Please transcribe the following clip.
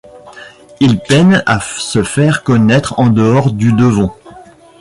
Ils peinent à se faire connaître en dehors du Devon.